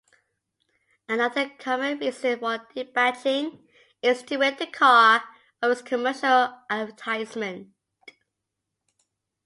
Another common reason for debadging is to rid the car of its commercial advertising.